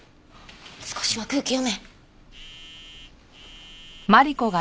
少しは空気読め！